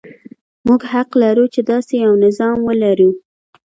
موږ حق لرو چې داسې یو نظام ولرو.